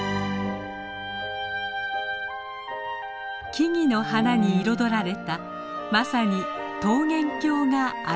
木々の花に彩られたまさに桃源郷が現れました。